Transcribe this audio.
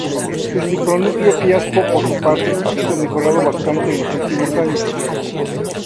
El micronúcleo Fiasco por su parte, ha sido mejorado bastante en los últimos años.